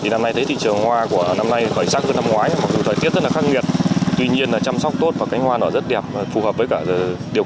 năm nay thấy thị trường hoa của năm nay khởi sắc hơn năm ngoái mặc dù thời tiết rất là khắc nghiệt tuy nhiên là chăm sóc tốt và cánh hoa nó rất đẹp phù hợp với cả điều kiện